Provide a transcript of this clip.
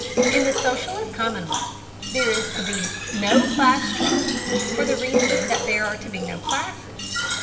In the socialist commonwealth there is to be no class struggle, for the reason that there are to be no classes.